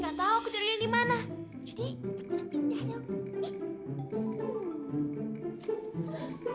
jadi kita bisa pindah dong